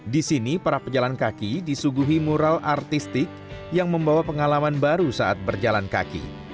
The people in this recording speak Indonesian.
di sini para pejalan kaki disuguhi mural artistik yang membawa pengalaman baru saat berjalan kaki